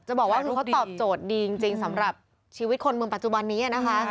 บอกว่าคือเขาตอบโจทย์ดีจริงสำหรับชีวิตคนเมืองปัจจุบันนี้นะคะ